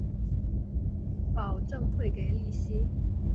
保证会给利息